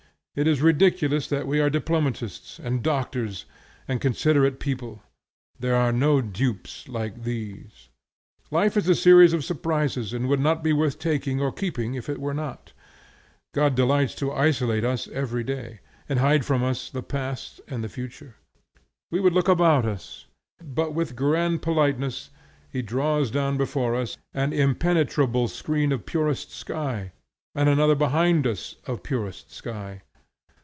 It is ridiculous that we are diplomatists, and doctors, and considerate people: there are no dupes like these. Life is a series of surprises, and would not be worth taking or keeping if it were not. God delights to isolate us every day, and hide from us the past and the future. We would look about us, but with grand politeness he draws down before us an impenetrable screen of purest sky, and another behind us of purest sky.